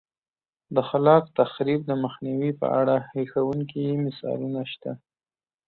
د خلاق تخریب د مخنیوي په اړه هیښوونکي مثالونه شته